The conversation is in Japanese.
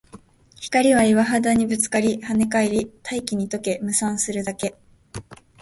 光は岩肌にぶつかり、跳ね返り、大気に溶け、霧散するだけ